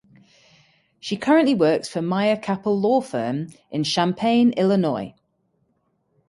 She currently works for Meyer Capel law firm in Champaign, Illinois.